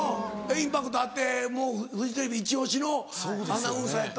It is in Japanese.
インパクトあってもうフジテレビイチ押しのアナウンサーやったのが。